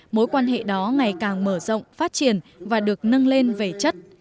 mối quan hệ đó ngày càng mở rộng phát triển và được nâng lên về chất